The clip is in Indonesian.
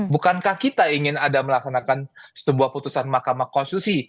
bukankah kita ingin ada melaksanakan sebuah putusan mahkamah konstitusi